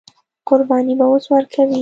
قرباني به اوس ورکوي.